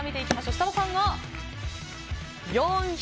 設楽さんが４匹。